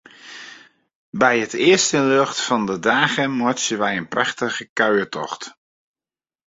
By it earste ljocht fan 'e dage meitsje wy in prachtige kuiertocht.